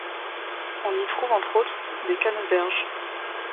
On y trouve entre autres des canneberges.